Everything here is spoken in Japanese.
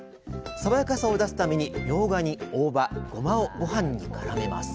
爽やかさを出すためにみょうがに大葉ごまをごはんにからめます